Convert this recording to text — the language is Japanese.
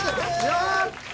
やった！